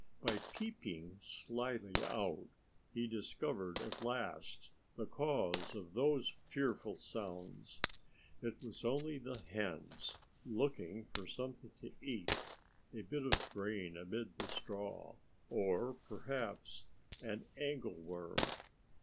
By peeping slyly out he discovered at last the cause of those fearful sounds. It was only the hens looking for something to eat a bit of grain amid the straw, or perhaps an angleworm.